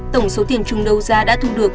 tổng số tiền trùng đấu giá đã thu được